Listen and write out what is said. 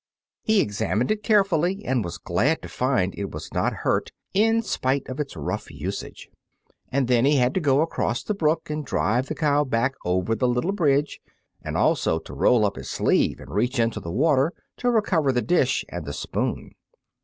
He examined it carefully, and was glad to find it was not hurt, in spite of its rough usage. And then he had to go across the brook and drive the cow back over the little bridge, and also to roll up his sleeve and reach into the water to recover the dish and the spoon.